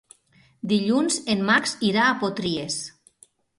Dilluns en Max irà a Potries.